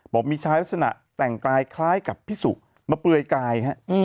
บอกมีชายลักษณะแต่งกายคล้ายกับพิสุมาเปลือยกาย